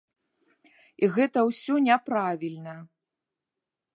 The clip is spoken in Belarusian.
І гэта ўсё няправільна.